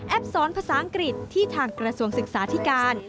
สอนภาษาอังกฤษที่ทางกระทรวงศึกษาธิการ